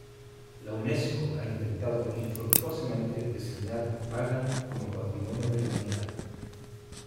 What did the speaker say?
La Unesco ha intentado infructuosamente designar Bagan como Patrimonio de la humanidad.